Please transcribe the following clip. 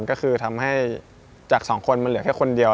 ก็คือทำให้จากสองคนมันเหลือแค่คนเดียว